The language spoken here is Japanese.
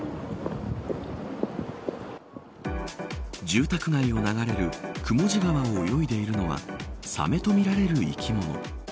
住宅街を流れる久茂地川を泳いでいるのはサメとみられる生き物。